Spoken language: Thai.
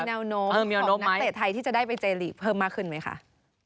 แนวโน้มนักเตะไทยที่จะได้ไปเจลีกเพิ่มมากขึ้นไหมคะ